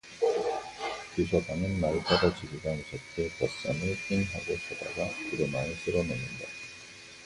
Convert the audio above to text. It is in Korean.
유서방은 말 떨어지기가 무섭게 볏섬을 낑 하고 져다가 구루마에 실어 놓는다.